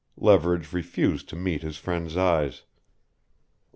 Leverage refused to meet his friend's eyes.